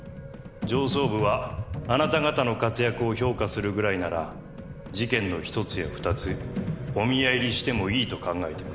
上層部はあなた方の活躍を評価するぐらいなら事件の１つや２つお宮入りしてもいいと考えています。